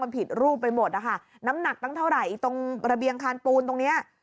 มันผิดรูปไปหมดนะคะน้ำหนักตั้งเท่าไหร่ตรงระเบียงคานปูนตรงเนี้ย